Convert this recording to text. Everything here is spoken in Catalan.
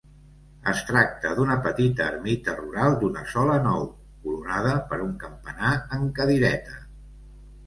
Es tracta d'una petita ermita rural d'una sola nou, coronada per un campanar en cadireta.